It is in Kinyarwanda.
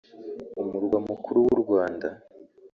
Umurwa Mukuru w’u Rwanda